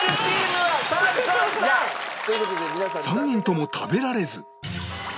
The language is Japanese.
３人とも食べられず